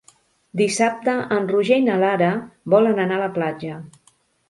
Dissabte en Roger i na Lara volen anar a la platja.